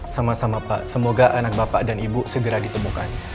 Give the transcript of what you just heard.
sama sama pak semoga anak bapak dan ibu segera ditemukan